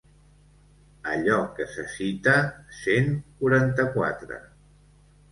Allò que se cita cent quaranta-quatre.